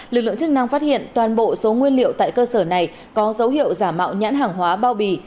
lực lượng chức năng phát hiện toàn bộ số nguyên liệu tại cơ sở này có dấu hiệu giả mạo nhãn hàng hóa bao bì